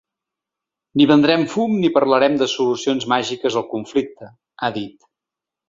Ni vendrem fum ni parlarem de solucions màgiques al conflicte, ha dit.